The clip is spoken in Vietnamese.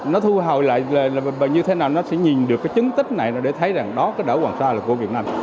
nó thu hồi lại là như thế nào nó sẽ nhìn được cái chứng tích này nó để thấy rằng đó cái đảo hoàng sa là của việt nam